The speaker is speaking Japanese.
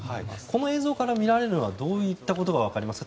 この映像からみられるのはどういったことが分かりますか。